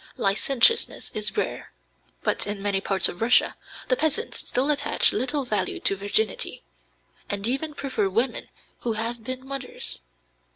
Licentiousness is rare. But in many parts of Russia the peasants still attach little value to virginity, and even prefer women who have been mothers.